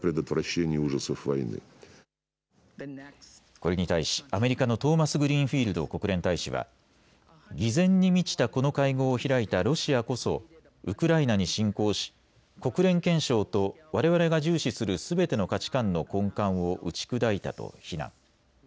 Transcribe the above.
これに対しアメリカのトーマスグリーンフィールド国連大使は、偽善に満ちたこの会合を開いたロシアこそウクライナに侵攻し国連憲章とわれわれが重視するすべての価値観の根幹を打ち砕いたと非難。